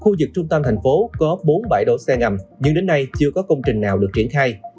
khu vực trung tâm thành phố có bốn bãi đổ xe ngầm nhưng đến nay chưa có công trình nào được triển khai